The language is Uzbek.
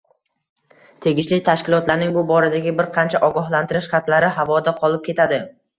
Tegishli tashkilotlarning bu boradagi bir qancha ogohlantirish xatlari havoda qolib ketadi